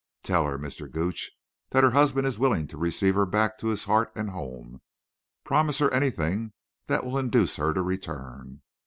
Tell her, Mr. Gooch, that her husband is willing to receive her back to his heart and home—promise her anything that will induce her to return.